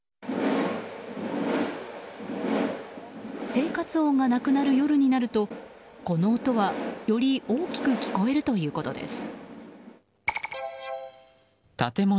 生活音がなくなる夜になるとこの音は、より大きく聞こえるということです。